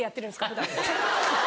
普段。